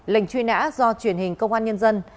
lệnh truy nã do truyền hình công an nhân dân